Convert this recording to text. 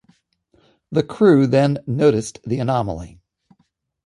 The crew then noticed the anomaly.